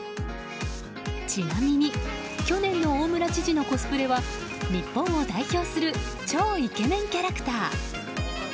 ちなみに去年の大村知事のコスプレは日本を代表する超イケメンキャラクター。